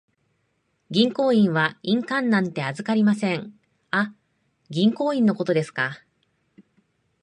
銀行員は印鑑なんて預かりません。あ、銀行印のことですか。